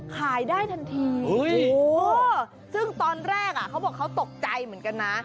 ขายได้ทันทีซึ่งตอนแรกเขาบอกเขาตกใจเหมือนกันนะ